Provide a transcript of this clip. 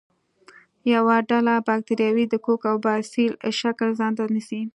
یوه ډله باکتریاوې د کوک او باسیل شکل ځانته نیسي.